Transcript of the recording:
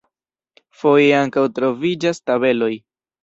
Foje ankaŭ troviĝas tabeloj.